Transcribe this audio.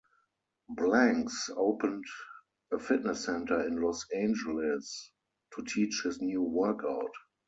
Blanks opened a fitness center in Los Angeles to teach his new workout.